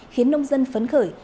khiến nông dân phấn khởi